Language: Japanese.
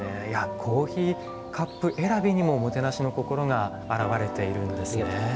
いやコーヒーカップ選びにもおもてなしの心が表れているんですね。